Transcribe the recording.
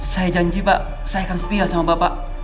saya janji pak saya akan setia sama bapak